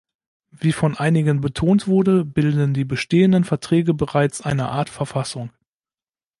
Wie von einigen betont wurde, bilden die bestehenden Verträge bereits eine Art Verfassung.